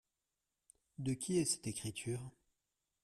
De qui est cette écriture ?